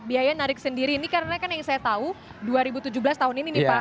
biaya narik sendiri ini karena kan yang saya tahu dua ribu tujuh belas tahun ini nih pak